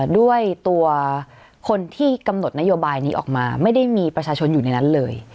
ด้วยตัวคนที่กำหนดนโยบายนี้ออกมาไม่ได้มีประชาชนอยู่ในนั้นเลย